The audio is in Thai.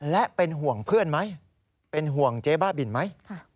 และเป็นห่วงเพื่อนไหมเป็นห่วงเจ๊บ้าบินไหม